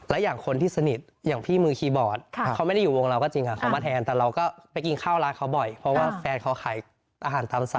และอย่างคนที่สนิทอย่างพี่มือคีย์บอร์ดเขาไม่ได้อยู่วงเราก็จริงค่ะเขามาแทนแต่เราก็ไปกินข้าวร้านเขาบ่อยเพราะว่าแฟนเขาขายอาหารตามสั่ง